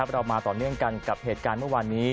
เรามาต่อเนื่องกันกับเหตุการณ์เมื่อวานนี้